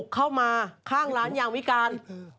เข้ามาข้างร้านยางวิการ